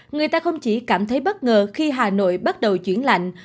người ta không chỉ cảm thấy bất ngờ khi hà nội bắt đầu chuyển lạnh